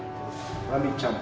ラミちゃん！